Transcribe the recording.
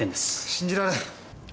信じられん。